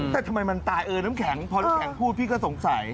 แต่ทำไมมันตายเออน้ำแข็งพอน้ำแข็งพูดพี่ก็สงสัย